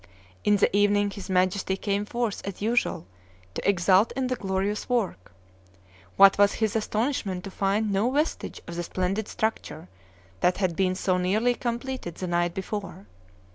In the evening his Majesty came forth, as usual, to exult in the glorious work. What was his astonishment to find no vestige of the splendid structure that had been so nearly completed the night before.